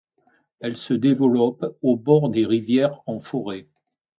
Elle se développe au bord des rivières en forêt..